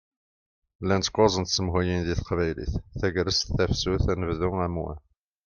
Llant kuẓ n tsemhuyin di teqbaylit: Tagrest, Tafsut, Anebdu, Amwan.